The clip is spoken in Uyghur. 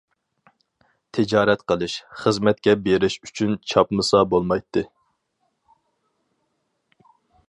تىجارەت قىلىش، خىزمەتكە بېرىش ئۈچۈن چاپمىسا بولمايتتى.